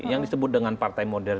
yang disebut dengan partai modern